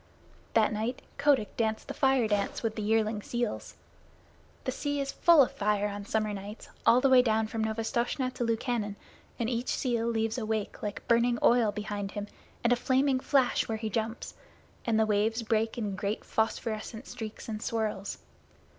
That night Kotick danced the Fire dance with the yearling seals. The sea is full of fire on summer nights all the way down from Novastoshnah to Lukannon, and each seal leaves a wake like burning oil behind him and a flaming flash when he jumps, and the waves break in great phosphorescent streaks and swirls.